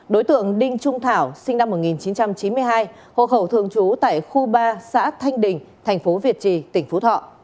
đối tượng đinh trung thảo sinh năm một nghìn chín trăm chín mươi hai hộ khẩu thường trú tại khu ba xã thanh đình thành phố việt trì tỉnh phú thọ